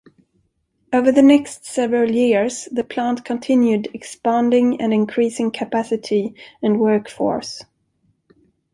Over the next several years the plant continued expanding and increasing capacity and workforce.